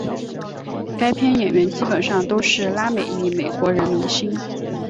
该片演员基本上都是拉美裔美国人明星。